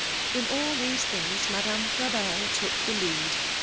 In all these things Madame Frabelle took the lead.